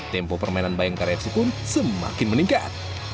tempo permainan bayangkara fc pun semakin meningkat